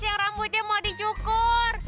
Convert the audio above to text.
yang rambutnya mau dicukur